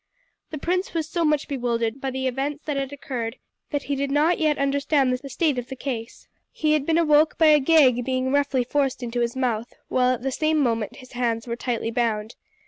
The prince was so much bewildered by the events that had occurred that he did not yet understand the state of the case. He had been awoke by a gag being roughly forced into his mouth, while at the same moment his hands were tightly bound.